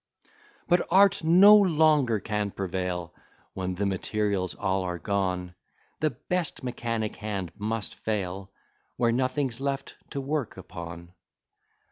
But art no longer can prevail, When the materials all are gone; The best mechanic hand must fail, Where nothing's left to work upon.